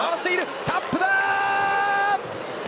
タップだ。